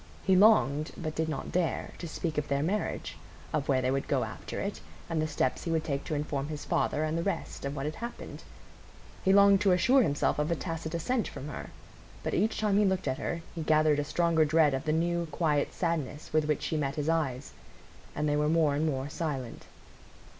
He longed, but did not dare, to speak of their marriage, of where they would go after it, and the steps he would take to inform his father, and the rest, of what had happened. He longed to assure himself of a tacit assent from her. But each time he looked at her, he gathered a stronger dread of the new, quiet sadness with which she met his eyes. And they were more and more silent.